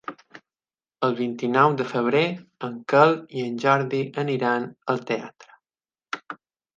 El vint-i-nou de febrer en Quel i en Jordi aniran al teatre.